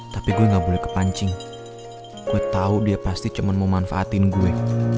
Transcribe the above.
tapi gue gak boleh kepancing gue tau dia pasti cuma mau manfaatin gue